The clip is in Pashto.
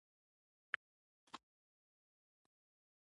د ټولني بد رواجونه باید اصلاح سي.